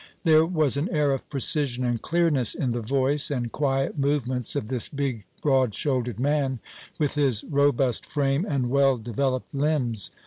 There was an air of precision and clearness in the voice and quiet movements of this big, broad shouldered man, with his robust frame and well developed limbs.